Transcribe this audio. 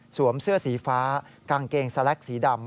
เสื้อสีฟ้ากางเกงสแล็กสีดำ